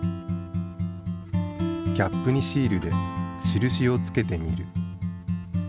キャップにシールで印を付けてみる。